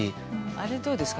あれどうですか。